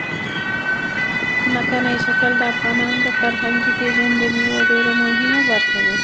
ځمکنی شکل د افغانانو د فرهنګي پیژندنې یوه ډېره مهمه برخه ده.